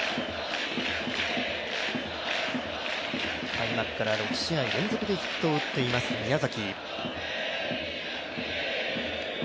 開幕から６試合連続でヒットを打っています宮崎。